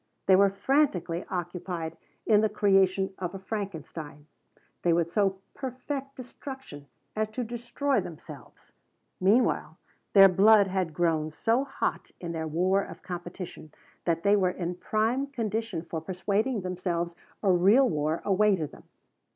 They were frantically occupied in the creation of a Frankenstein. They would so perfect destruction as to destroy themselves. Meanwhile their blood had grown so hot in their war of competition that they were in prime condition for persuading themselves a real war awaited them.